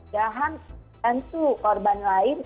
kehan hantu korban lain